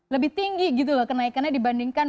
lebih tinggi gitu loh kenaikannya dibandingkan